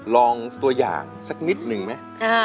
ลองตัวอย่างสักนิดหนึ่งไหม